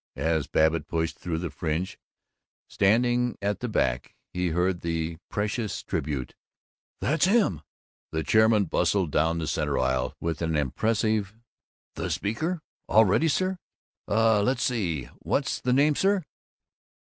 As Babbitt pushed through the fringe standing at the back, he heard the precious tribute, "That's him!" The chairman bustled down the center aisle with an impressive, "The speaker? All ready, sir! Uh let's see what was the name, sir?"